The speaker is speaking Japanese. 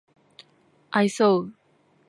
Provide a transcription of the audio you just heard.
愛想